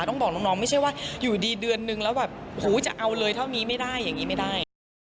ต้องบอกน้องไม่ใช่ว่าอยู่ดีเดือนนึงแล้วแบบหูจะเอาเลยเท่านี้ไม่ได้อย่างนี้ไม่ได้